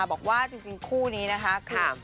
บอกว่าจริงคู่นี้นะคะคือ